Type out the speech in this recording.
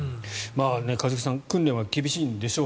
一茂さん訓練は厳しいんでしょう。